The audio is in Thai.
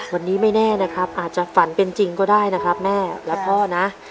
วันนี้ไม่แน่นะครับอาจจะฝันเป็นจริงก็ได้นะครับแม่และพ่อนะ